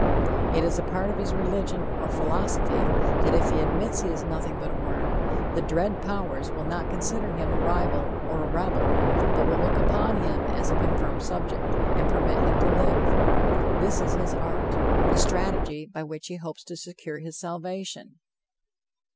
It is a part of his religion or philosophy that if he admits he is nothing but a worm, the dread powers will not consider him a rival or a rebel, but will look upon him as a confirmed subject, and permit him to live. This is his art, the strategy by which he hopes to secure his salvation.